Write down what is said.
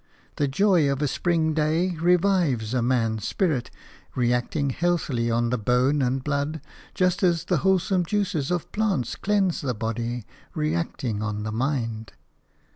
The joy of a spring day revives a man's spirit, reacting healthily on the bone and the blood, just as the wholesome juices of plants cleanse the body, reacting on the mind.